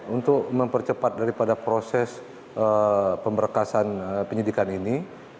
untuk mempercepat daripada proses pemberkasan penyidikan ini